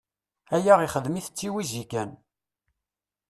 Aya ixdem-it d tiwizi kan.